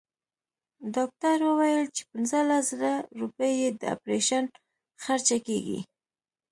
ډاکټر وويل چې پنځلس زره روپۍ يې د اپرېشن خرچه کيږي.